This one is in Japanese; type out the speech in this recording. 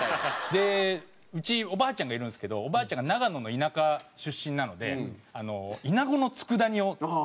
でうちおばあちゃんがいるんですけどおばあちゃんが長野の田舎出身なのでイナゴの佃煮を食べるんですよ。